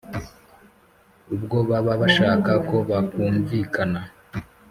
ubwo baba bashaka ko bakumvikana